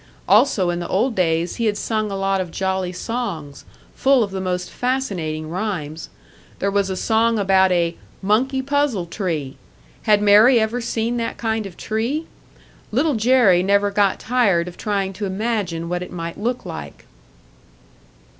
Also, in the old days he had sung a lot of jolly songs, full of the most fascinating rhymes. There was a song about a "monkey puzzle tree"! Had Mary ever seen that kind of tree? Little Jerry never got tired of trying to imagine what it might look like.